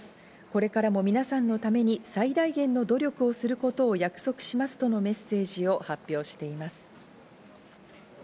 これからも皆さんのために最大限の努力をすることを約束しますとのメッセージを発表しています。